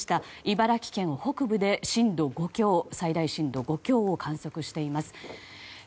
茨城県北部で最大震度５強を観測しています。